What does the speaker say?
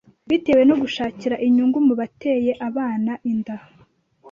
bitewe no gushakira inyungu mu bateye abana inda.